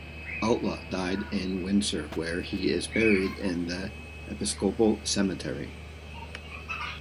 Outlaw died in Windsor, where he is buried in the Episcopal Cemetery.